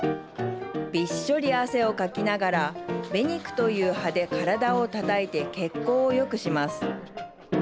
びっしょり汗をかきながらヴェニクという葉で体をたたいて血行をよくします。